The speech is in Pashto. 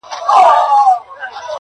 د غزل د زلفو تار کي يې ويده کړم~